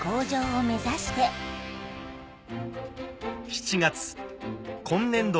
７月今年度